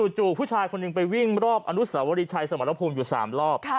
จู่ผู้ชายคนหนึ่งไปวิ่งรอบอนุสาวรีชัยสมรภูมิอยู่๓รอบ